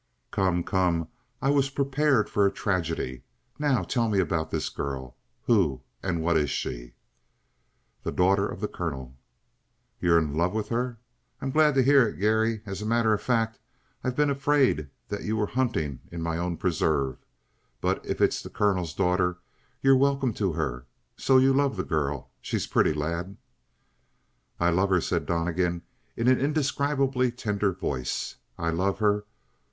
"Come, come! I was prepared for a tragedy. Now tell me about this girl. Who and what is she?" "The daughter of the colonel." "You're in love with her? I'm glad to hear it, Garry. As a matter of fact I've been afraid that you were hunting in my own preserve, but if it's the colonel's daughter, you're welcome to her. So you love the girl? She's pretty, lad!" "I love her?" said Donnegan in an indescribably tender voice. "I love her?